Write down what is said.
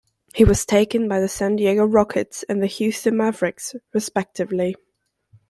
He was taken by the San Diego Rockets and the Houston Mavericks, respectively.